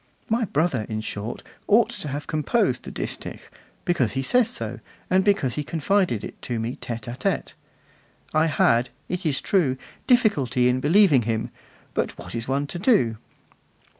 My brother, in short, ought to have composed the distich, because he says so, and because he confided it to me tete 'a tete. I had, it is true, difficulty in believing him; but what is one to do!